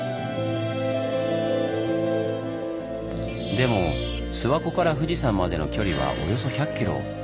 でも諏訪湖から富士山までの距離はおよそ１００キロ。